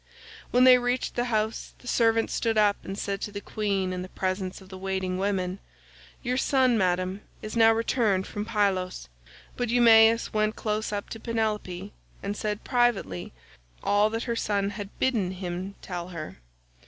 When they reached the House, the servant stood up and said to the queen in the presence of the waiting women, "Your son, Madam, is now returned from Pylos"; but Eumaeus went close up to Penelope, and said privately all that her son had bidden him tell her.